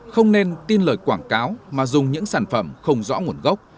không nên tin lời quảng cáo mà dùng những sản phẩm không rõ nguồn gốc